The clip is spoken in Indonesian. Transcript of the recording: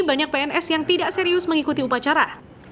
banyak pns yang tidak serius mengikuti upacara